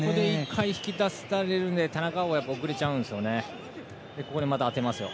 １回引き出されるので田中碧が遅れちゃうんですね。